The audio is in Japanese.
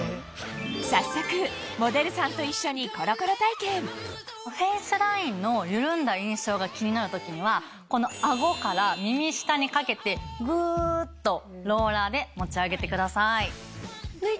早速フェイスラインの緩んだ印象が気になる時にはこのあごから耳下にかけてぐっとローラーで持ち上げてください。